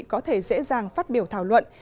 có thể dễ dàng phát biểu thảo luận